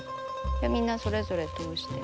みんなそれぞれ通して。